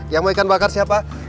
yang mau ikan bakar siapa